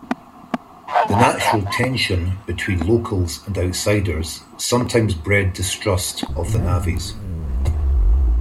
The natural tension between locals and outsiders sometimes bred distrust of the navvies.